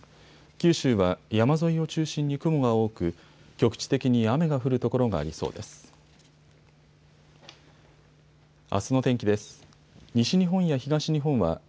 九州は山沿いを中心に雲が多く局地的に雨が降る所がありそうです。